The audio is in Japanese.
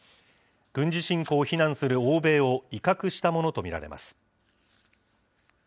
軍事侵攻を非難する欧米を威嚇したものと見られます。